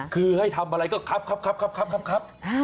คือให้ทำอะไรก็ครับ